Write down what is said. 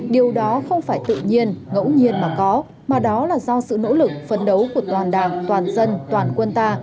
điều đó không phải tự nhiên ngẫu nhiên mà có mà đó là do sự nỗ lực phấn đấu của toàn đảng toàn dân toàn quân ta